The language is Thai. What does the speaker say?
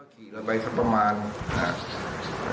ขี่ละไปสักประมาณ๒กิโล